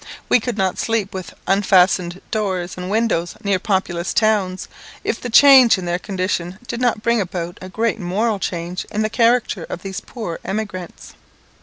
We could not sleep with unfastened doors and windows near populous towns, if the change in their condition did not bring about a greater moral change in the character of these poor emigrants.